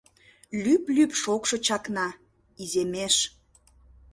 Лӱп-лӱп шокшо чакна, иземеш.